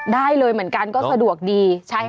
ได้เลยเหมือนกันก็สะดวกดี